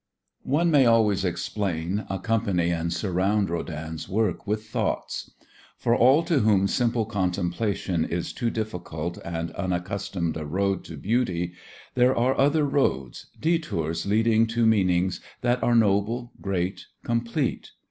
One may always explain, accompany and surround Rodin's works with thoughts. For all to whom simple contemplation is too difficult and unaccustomed a road to beauty there are other roads, detours leading to meanings that are noble, great, complete.